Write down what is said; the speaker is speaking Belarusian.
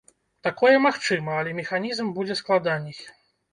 Такое магчыма, але механізм будзе складаней.